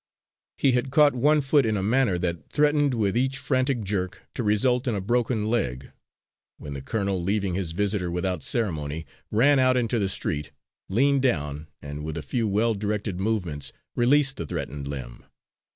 He had caught one foot in a manner that threatened, with each frantic jerk, to result in a broken leg, when the colonel, leaving his visitor without ceremony, ran out into the street, leaned down, and with a few well directed movements, released the threatened limb.